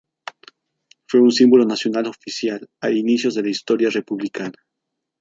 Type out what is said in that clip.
Fue un símbolo nacional oficial a inicios de la historia republicana.